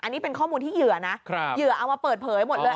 อันนี้เป็นข้อมูลที่เหยื่อนะเหยื่อเอามาเปิดเผยหมดเลย